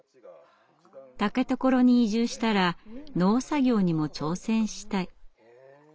竹所に移住したら農作業にも挑戦したい。